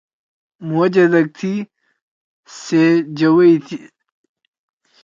مھو جدَک تھی۔ سے جَوَئی تھی۔